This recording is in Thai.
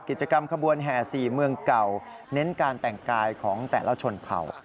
ขบวนแห่๔เมืองเก่าเน้นการแต่งกายของแต่ละชนเผ่า